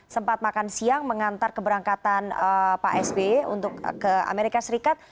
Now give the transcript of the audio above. sempat makan siang mengantar keberangkatan pak sby untuk ke amerika serikat